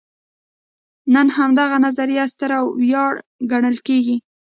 نن همدغه نظریه ستره ویاړ ګڼل کېږي.